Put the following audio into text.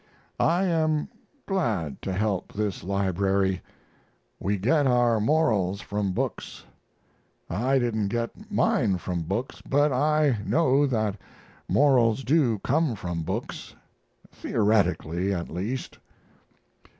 I am glad to help this library. We get our morals from books. I didn't get mine from books, but I know that morals do come from books theoretically at least.